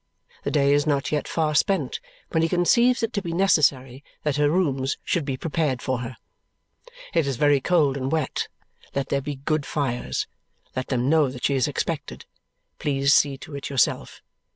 The day is not yet far spent when he conceives it to be necessary that her rooms should be prepared for her. It is very cold and wet. Let there be good fires. Let them know that she is expected. Please see to it yourself.